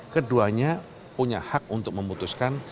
keduanya punya hak untuk memutuskan